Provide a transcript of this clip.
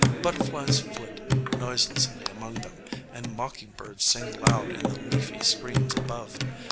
Butterflies flit noiselessly among them, and mocking birds sing loud in the leafy screens above.